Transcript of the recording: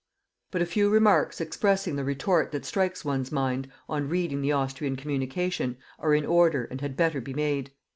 But a few remarks expressing the retort that strikes one's mind on reading the Austrian communication, are in order and had better be made.